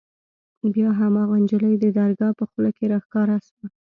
بيا هماغه نجلۍ د درګاه په خوله کښې راښکاره سوه.